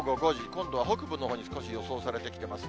今度は北部のほうに少し予想されてきています。